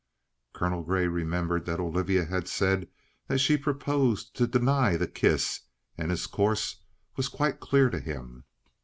Colonel Grey remembered that Olivia had said that she proposed to deny the kiss, and his course was quite clear to him.